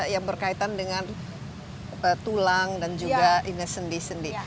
yang berkaitan dengan tulang dan juga ini sendi sendi